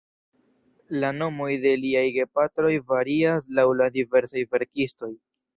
La nomoj de liaj gepatroj varias laŭ la diversaj verkistoj.